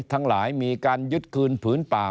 ทั้งหลายมีการยึดคืนผืนป่า